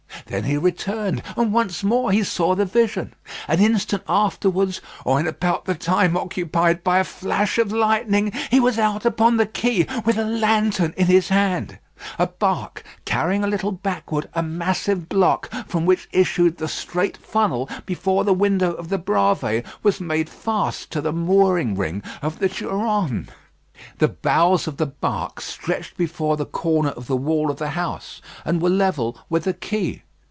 Then he returned, and once more he saw the vision. An instant afterwards, or in about the time occupied by a flash of lightning, he was out upon the quay, with a lantern in his hand. A bark carrying a little backward a massive block from which issued the straight funnel before the window of the Bravées, was made fast to the mooring ring of the Durande. The bows of the bark stretched beyond the corner of the wall of the house, and were level with the quay.